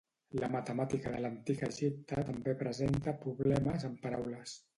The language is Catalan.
La matemàtica de l'Antic Egipte també presenta problemes amb paraules.